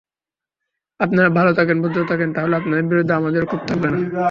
আপনারা ভালো থাকেন, ভদ্র থাকেন, তাহলে আপনাদের বিরুদ্ধে আমাদেরও ক্ষোভ থাকবে না।